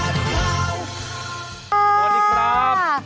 สวัสดีครับ